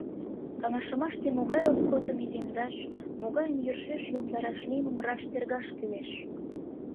Каҥашымаште могай роскотым иземдаш, могайым йӧршеш йомдараш лиймым раш тергаш кӱлеш.